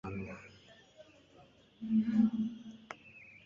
ntawe ushobora kuba ayo mahano